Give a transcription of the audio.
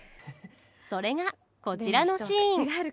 それがこちらのシーン。